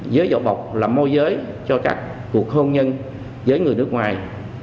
dưới dọ bọc làm môi giới cho các cuộc hôn nhân với người nước ngoài